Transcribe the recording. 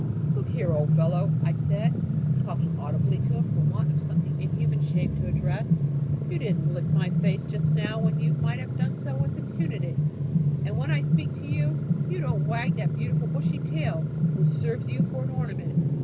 "Look here, old fellow," said I, talking audibly to him for want of something in human shape to address, "you didn't lick my face just now when you might have done so with impunity; and when I speak to you, you don't wag that beautiful bushy tail which serves you for ornament.